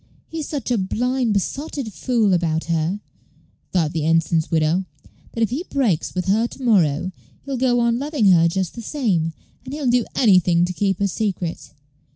"He's such a blind, besotted fool about her," thought the ensign's widow, "that if he breaks with her to morrow, he'll go on loving her just the same, and he'll do anything to keep her secret.